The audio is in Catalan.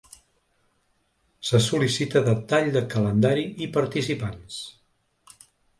Se sol·licita detall de calendari i participants.